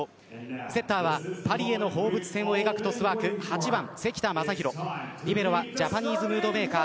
セッターはパリへの放物線を描くトスワーク８番、関田誠大リベロはジャパニーズムードメーカー